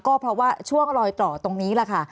ก็เพราะว่าช่วงลอยต่อตรงนี้แหละค่ะ